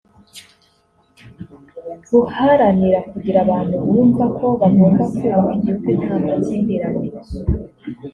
guharanira kugira abantu bumva ko bagomba kubaka igihugu nta makimbirane